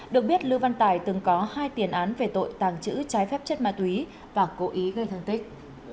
được biết lưu văn tài từng có hai tiền án về tội tàng trữ trái phép chất ma túy và cố ý gây thương tích